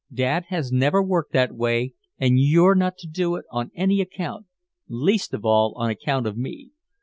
Dad has never worked that way and you're not to do it on any account least of all on account of me.